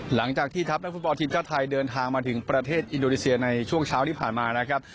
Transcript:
หลังจากที่ทัพนักฟุตบอลทีมชาติไทยเดินทางมาถึงประเทศอินโดนีเซียในช่วงเช้าที่ผ่านมานะครับ